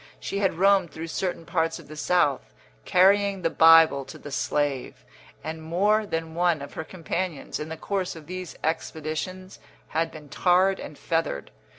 She had roamed through certain parts of the South, carrying the Bible to the slave; and more than one of her companions, in the course of these expeditions, had been tarred and feathered.